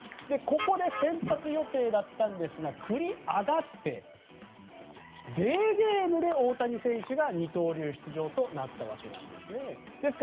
ここで先発予定だったんですが繰り上がってデーゲームで大谷選手が二刀流出場となったわけです。